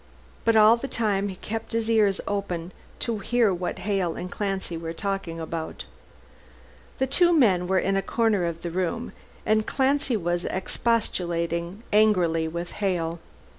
But all the time he kept his ears open to hear what Hale and Clancy were talking about. The two men were in a corner of the room, and Clancy was expostulating angrily with Hale.